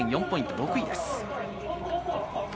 ６位です。